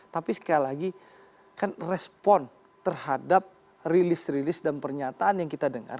tapi sekali lagi kan respon terhadap rilis rilis dan pernyataan yang kita dengar